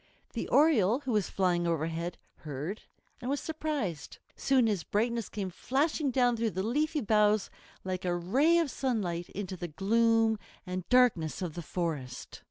The Oriole, who was flying overhead, heard and was surprised. Soon his brightness came flashing down through the leafy boughs like a ray of sunlight into the gloom and darkness of the forest.